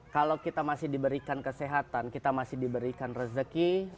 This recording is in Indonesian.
kalau kita masih diberikan kesehatan kita masih diberikan rezeki